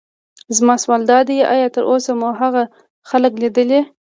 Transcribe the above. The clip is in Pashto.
زما سوال دادی: ایا تراوسه مو هغه خلک لیدلي.